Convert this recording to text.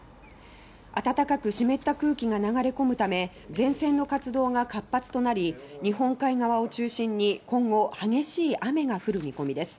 暖かく湿った空気が流れ込むため前線の活動が活発となり日本海側を中心に今後激しい雨が降る見込みです。